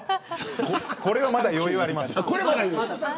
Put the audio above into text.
これは、まだ余裕あります。